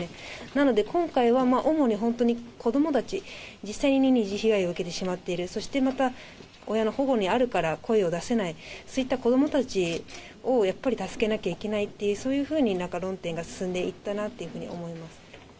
なので、今回は主に本当に子どもたち、実際に二次被害を受けてしまっている、そしてまた親の保護にあるから、声を出せない、そういった子どもたちをやっぱり助けなきゃいけないっていう、そういうふうに論点が進んでいったなっていうふうに思います。